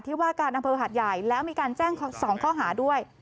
ว่าการอำเภอหาดใหญ่แล้วมีการแจ้ง๒ข้อหาด้วย